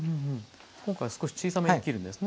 今回少し小さめに切るんですね。